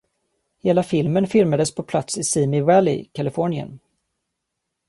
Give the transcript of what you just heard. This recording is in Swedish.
Hela filmen filmades på plats i Simi Valley, Kalifornien.